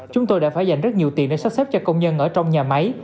chúng tôi đã phải dành rất nhiều tiền để sắp xếp cho công nhân ở trong nhà máy